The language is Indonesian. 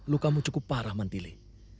lukamu cukup parah mantili